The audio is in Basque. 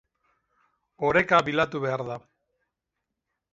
Oreka bilatu behar da.